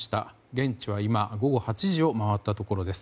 現地は今、午後８時を回ったところです。